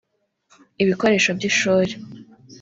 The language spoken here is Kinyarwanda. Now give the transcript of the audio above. ibikoresho by’ishuri